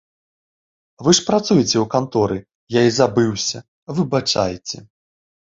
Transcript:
Вы ж працуеце ў канторы, я і забыўся, выбачайце.